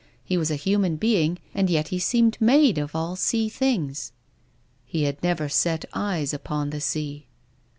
He was a human being, and yet he seemed made of all sea things," " He had never set eyes upon the sea."